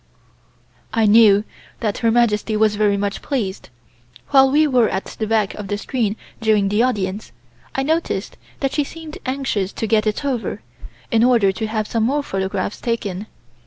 I knew that Her Majesty was very much pleased. While we were at the back of the screen during the audience, I noticed that she seemed anxious to get it over, in order to have some more photographs taken.